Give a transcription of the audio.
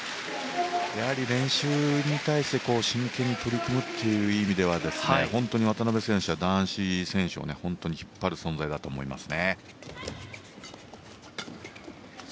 やはり練習に対して真剣に取り組むという意味では本当に渡辺選手は男子選手を引っ張る存在だと思います。